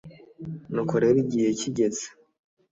nuko rero igihe kigeze